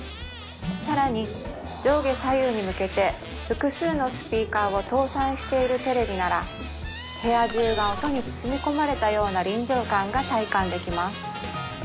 さらに上下左右に向けて複数のスピーカーを搭載しているテレビなら部屋中が音に包み込まれたような臨場感が体感できます